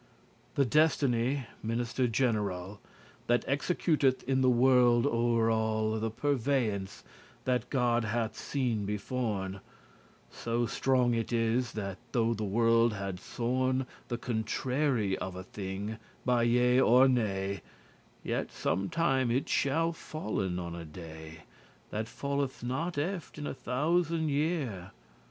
The Destiny, minister general, That executeth in the world o'er all The purveyance*, that God hath seen beforn; *foreordination So strong it is, that though the world had sworn The contrary of a thing by yea or nay, Yet some time it shall fallen on a day That falleth not eft* in a thousand year.